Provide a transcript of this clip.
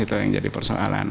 itu yang jadi persoalan